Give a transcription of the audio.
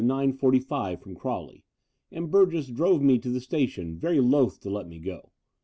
45 from Crawley: and Burgess drove me to the station, very loth to let me go.